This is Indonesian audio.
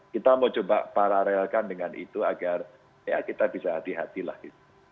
kita mau coba paralelkan dengan itu agar ya kita bisa hati hati lah gitu